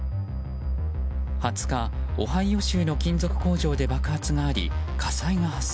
２０日、オハイオ州の金属工場で爆発があり火災が発生。